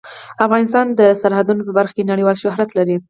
افغانستان د سرحدونه په برخه کې نړیوال شهرت لري.